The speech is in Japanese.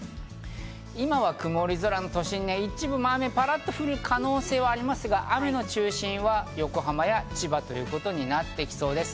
今は曇り空の都心、一部でパラっと雨が降る可能性はありますが、雨の中心は横浜や千葉となってきそうです。